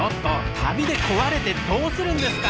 旅で壊れてどうするんですか！